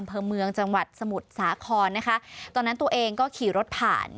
อำเภอเมืองจังหวัดสมุทรสาครนะคะตอนนั้นตัวเองก็ขี่รถผ่าน